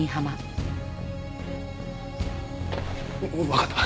わかった。